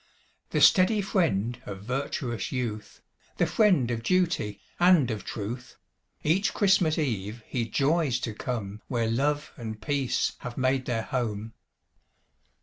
The steady friend of virtuous youth, The friend of duty, and of truth, Each Christmas eve he joys to come Where love and peace have made their home.